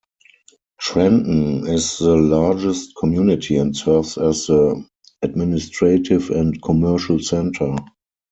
Trenton is the largest community and serves as the administrative and commercial centre.